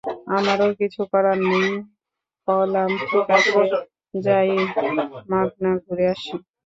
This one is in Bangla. আমারও কিছু করার নেই, কলাম ঠিক আছে, যাই, মাগনা ঘুইরে আসি।